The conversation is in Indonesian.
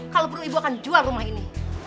kalau perlu ibu akan jual rumah ini